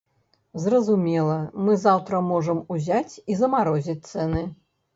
Зразумела, мы заўтра можам узяць і замарозіць цэны.